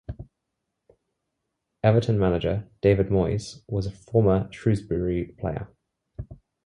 Everton manager David Moyes was a former "Shrewsbury" player.